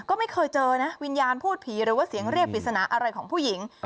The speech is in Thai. ก็ไม่เคยเจอนะวิญญาณพูดผีหรือว่าเสียงเรียกปริศนาอะไรของผู้หญิง